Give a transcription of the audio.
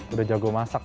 udah jago masak